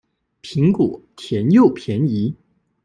蘋果甜又便宜